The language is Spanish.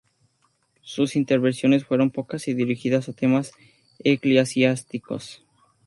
Sus intervenciones fueron pocas y dirigidas a temas eclesiásticos.